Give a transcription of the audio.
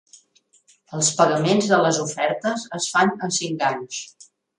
Els pagaments de les ofertes es fan a cinc anys.